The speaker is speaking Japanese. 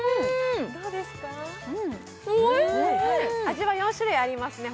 味は４種類ありますね